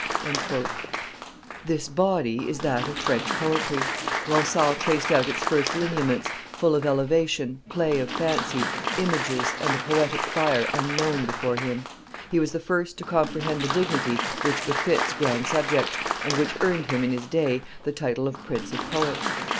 " This body is that of French poetry; Ronsard traced out its first lineaments, full of elevation, play of fancy, images, and a poetic fire unknown before him. He was the first to comprehend the dignity which befits grand subjects, and which earned him in his day the title of Prince of poets.